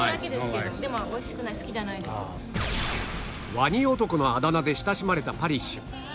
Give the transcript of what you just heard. ワニ男のあだ名で親しまれたパリッシュ